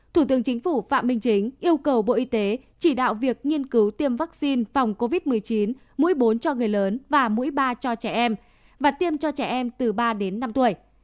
thủ tướng chính phủ phạm minh chính yêu cầu bộ y tế chỉ đạo việc nghiên cứu tiêm vaccine phòng covid một mươi chín mũi cho người lớn và mũi ba cho trẻ em và tiêm cho trẻ em từ ba đến năm tuổi